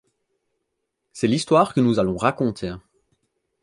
C'est l'histoire que nous allons raconter.